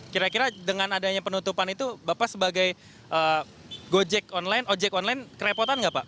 kira kira dengan adanya penutupan itu bapak sebagai gojek online ojek online kerepotan nggak pak